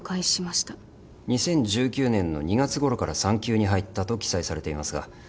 ２０１９年の２月ごろから産休に入ったと記載されていますが。